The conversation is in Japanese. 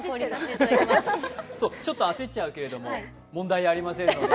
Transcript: ちょっと焦っちゃうけど、問題ありませんので。